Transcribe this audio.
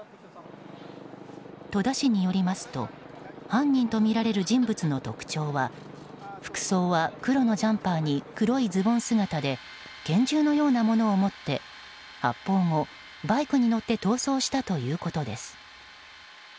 戸田市によりますと犯人とみられる人物の特徴は服装は黒のジャンパーに黒いズボン姿で拳銃のようなものを持って発砲後バイクに乗って逃走したということです。